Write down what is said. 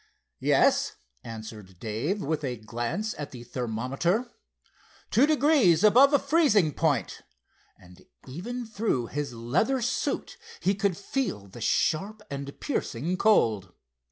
"Yes," answered Dave, with a glance at the thermometer, "two degrees above freezing point," and even through his leather suit he could feel the sharp and piercing cold.